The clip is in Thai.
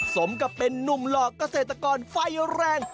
สมกับเป็นนุ่มหลอกเกษตรกรไฟแรง